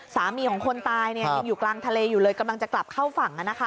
สามีของคนตายยังอยู่กลางทะเลอยู่เลยกำลังจะกลับเข้าฝั่ง